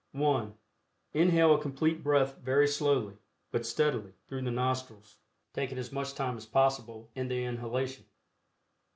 (1) Inhale a Complete Breath very slowly, but steadily, through the nostrils, taking as much time as possible in the inhalation.